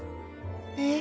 えっ？